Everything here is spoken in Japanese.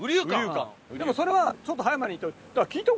でもそれはちょっと葉山に。